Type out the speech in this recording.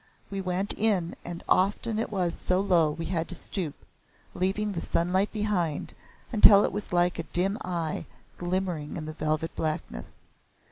We went in and often it was so low we had to stoop, leaving the sunlight behind until it was like a dim eye glimmering in the velvet blackness.